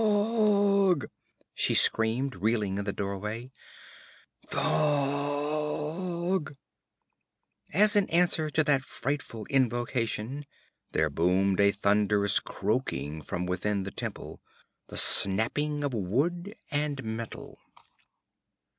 'Thaug!' she screamed, reeling in the doorway. 'Thaug!' As in answer to that frightful invocation there boomed a thunderous croaking from within the temple, the snapping of wood and metal.